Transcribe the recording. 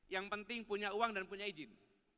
yang penting punya uang dan punya izin